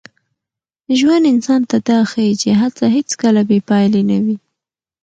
ژوند انسان ته دا ښيي چي هڅه هېڅکله بې پایلې نه وي.